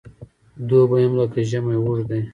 دوبی هم لکه ژمی اوږد دی .